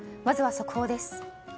まずは速報です。